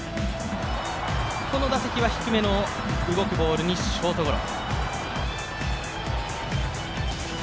この打席は低めの動くボールにショートゴロ。